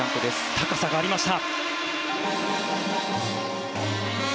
高さがありました。